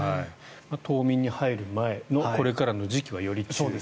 冬眠に入る前のこれからの時期はより注意と。